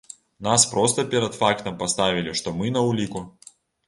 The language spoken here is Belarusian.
Нас проста перад фактам паставілі, што мы на ўліку.